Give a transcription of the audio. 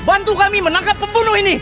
aduh masalah apa lagi ini